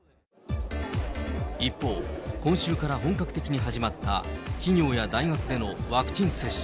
一方、今週から本格的に始まった企業や大学でのワクチン接種。